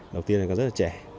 đầu tiên là rất là trẻ